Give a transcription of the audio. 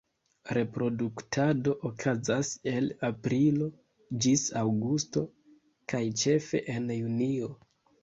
Reproduktado okazas el aprilo ĝis aŭgusto, kaj ĉefe en junio.